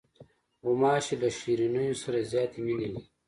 غوماشې له شیرینیو سره زیاتې مینې لري.